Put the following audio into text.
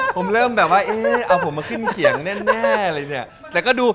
ผมเริ่มแบบว่าเอ๊ะเอาผมมาขึ้นเขียงแน่